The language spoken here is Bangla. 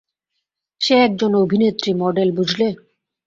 সে একজন অভিনেত্রী, মডেল, বুঝলে?